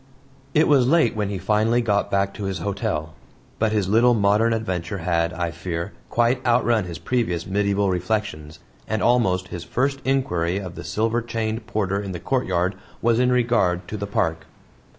It was late when he finally got back to his hotel. But his little modern adventure had, I fear, quite outrun his previous medieval reflections, and almost his first inquiry of the silver chained porter in the courtyard was in regard to the park.